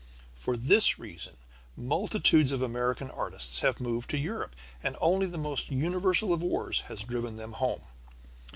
For this reason multitudes of American artists have moved to Europe, and only the most universal of wars has driven them home.